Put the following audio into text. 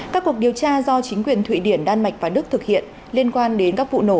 các cuộc điều tra do chính quyền thụy điển đan mạch và đức thực hiện liên quan đến các vụ nổ